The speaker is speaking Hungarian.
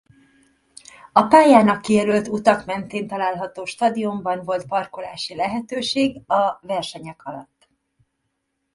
A pályának kijelölt utak mentén található stadionban volt parkolási lehetőség a versenyek alatt.